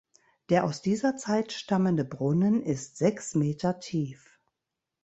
Der aus dieser Zeit stammende Brunnen ist sechs Meter tief.